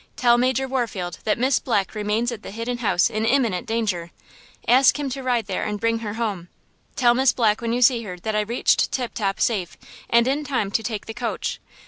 Tell Major Warfield that Miss Black remains at the Hidden House in imminent danger! Ask him to ride there and bring her home! Tell Miss Black when you see her that I reached Tip Top safe and in time to take the coach.